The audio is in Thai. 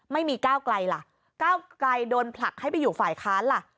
ไม่มีก้าวไกลล่ะก้าวไกลโดนผลักให้ไปอยู่ฝ่ายค้านล่ะ